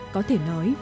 có thể nói